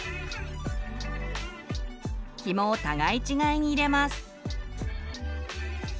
ヒモを互い違いに入れます。